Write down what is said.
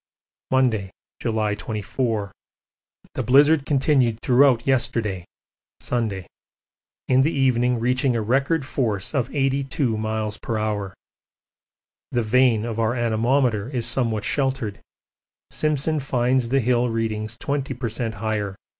Monday, July 24. The blizzard continued throughout yesterday (Sunday), in the evening reaching a record force of 82 m.p.h. The vane of our anemometer is somewhat sheltered: Simpson finds the hill readings 20 per cent. higher.